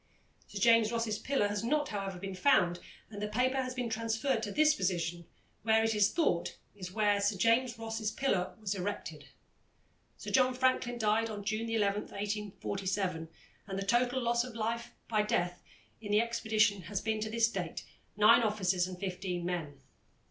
Sir James Ross's pillar has not, however, been found, and the paper has been transferred to this position, which, it is thought, is where Sir James Ross's pillar was erected. Sir John Franklin died on June 11, 1847, and the total loss of life by death in the expedition has been to this date nine officers and fifteen men.